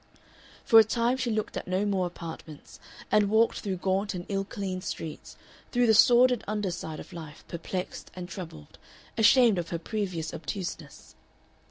For a time she looked at no more apartments, and walked through gaunt and ill cleaned streets, through the sordid under side of life, perplexed and troubled, ashamed of her previous obtuseness.